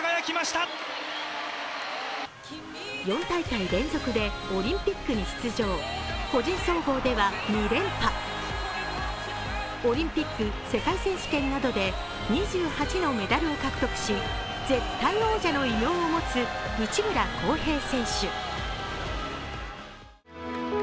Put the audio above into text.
４大会連続でオリンピックに出場個人総合では２連覇オリンピック、世界選手権などで２８のメダルを獲得し絶対王者の異名を持つ内村航平選手。